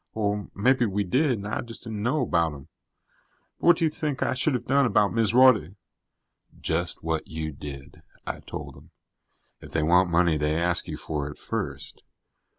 Or maybe we did and I just didn't know about them. But what do you think I should've done about Miz Rorty?" "Just what you did," I told him. "If they want money, they ask you for it first.